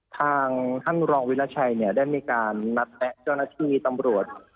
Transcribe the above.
ทางท่านรองวิราชัยเนี่ยได้มีการนัดแนะเจ้าหน้าที่ตำรวจ